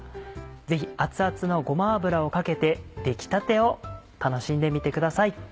ぜひ熱々のごま油をかけて出来たてを楽しんでみてください。